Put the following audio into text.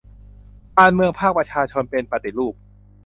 การเมืองภาคประชาชนเป็น 'ปฏิรูป'